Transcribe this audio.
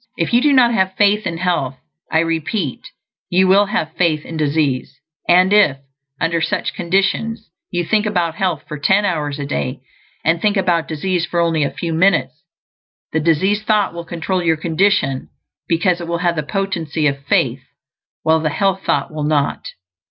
If you do not have faith in health, I repeat, you will have faith in disease; and if, under such conditions, you think about health for ten hours a day, and think about disease for only a few minutes, the disease thought will control your condition because it will have the potency of faith, while the health thought will not.